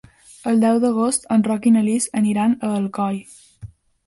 El deu d'agost en Roc i na Lis aniran a Alcoi.